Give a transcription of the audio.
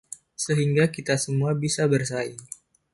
Sehingga kita semua bisa bersaing.